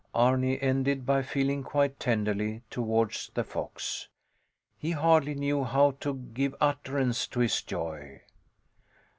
Arni ended by feeling quite tenderly towards the fox. He hardly knew how to give utterance to his joy.